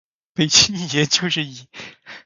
北京爷，就是爷！